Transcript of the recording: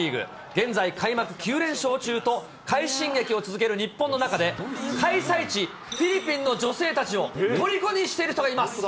現在、開幕９連勝中と、快進撃を続ける日本の中で、開催地、フィリピンの女性たちをとりこにしているといいます。